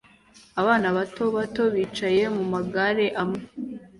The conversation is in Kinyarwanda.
Abana bato bato bicaye mu magare amwe